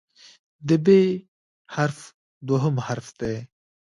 د "ب" حرف دوهم حرف دی.